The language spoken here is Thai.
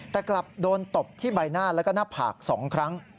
แต่กลับโดนตบที่ใบหน้าแล้วก็หน้าผาก๒ครั้ง